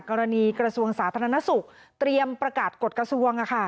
กระทรวงสาธารณสุขเตรียมประกาศกฎกระทรวง